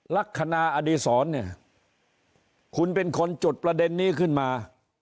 ลักษณะอดีศรเนี่ยคุณเป็นคนจุดประเด็นนี้ขึ้นมา